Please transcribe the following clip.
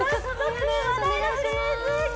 お願いします